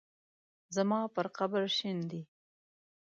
زما پر قبر شیندي